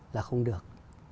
là không được